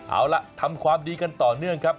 เอาล่ะทำความดีกันต่อเนื่องครับ